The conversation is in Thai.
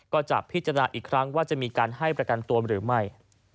ก็จะพิจารณาอีกครั้งว่าจะมีการให้ประกันตัวหรือไม่